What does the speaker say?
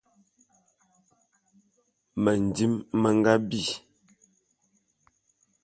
Mendim me nga bi.